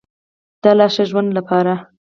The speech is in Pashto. د لا ښه ژوند لپاره.